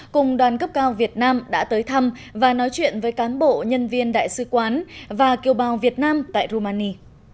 cùng đoàn cấp cao việt nam đã tới thăm và nói chuyện với cán bộ nhân viên đại sứ quán và kiều bào việt nam tại rumani